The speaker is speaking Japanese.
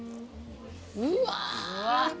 うわ。